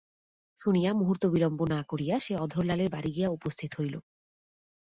শুনিয়া মুহূর্ত বিলম্ব না করিয়া সে অধরলালের বাড়ি গিয়া উপস্থিত হইল।